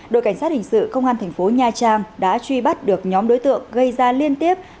đội cảnh sát hình sự công an thành phố nha trang đã truy bắt được nhóm đối tượng gây ra liên tiếp